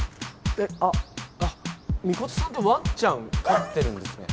えっあっミコトさんってワンちゃん飼ってるんですね。